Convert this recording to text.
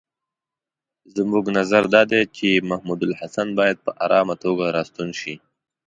زموږ نظر دا دی چې محمودالحسن باید په آرامه توګه را ستون شي.